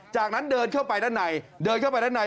จากนั้นเดินเข้าไปด้านในเดินเข้าไปด้านใน